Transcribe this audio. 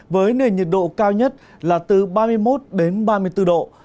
với nền nhiệt độ cao nhất là từ ba mươi một đến ba mươi bốn độ